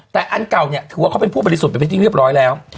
แต่อันเก่าเนี่ยถือว่าเขาเป็นผู้บริสุทธิ์ไปเป็นที่เรียบร้อยแล้ว